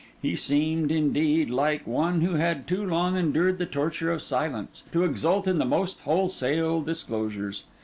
He seemed, indeed, like one who had too long endured the torture of silence, to exult in the most wholesale disclosures.